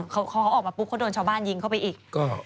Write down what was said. พอเขาออกมาปุ๊บเขาโดนชาวบ้านยิงเข้าไปอีก